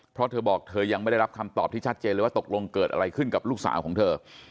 เพราะเธอบอกเธอยังไม่ได้รับคำตอบที่ชัดเจนเลยว่าตกลงเกิดอะไรขึ้นกับลูกสาวของเธอ